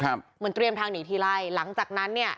เหมือนเตรียมทางหนีทีไล่หลังจากนั้นเนี่ย